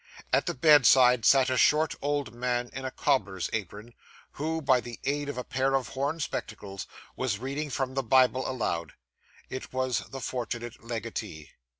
At the bedside sat a short old man in a cobbler's apron, who, by the aid of a pair of horn spectacles, was reading from the Bible aloud. It was the fortunate legatee.